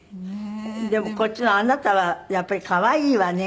でもこっちのあなたはやっぱり可愛いわね